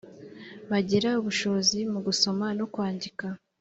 bagira ubushobozi mu gusoma no kwandika